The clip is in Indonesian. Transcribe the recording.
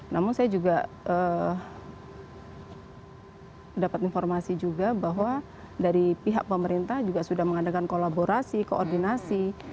namun saya juga dapat informasi juga bahwa dari pihak pemerintah juga sudah mengadakan kolaborasi koordinasi